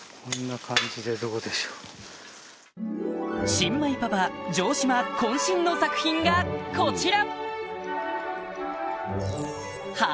新米パパ城島渾身の作品がこちら！